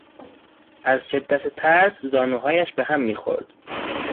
از شدت ترس زانوهایش به هم میخورد.